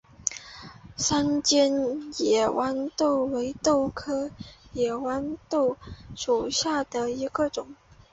三尖野豌豆为豆科野豌豆属下的一个种。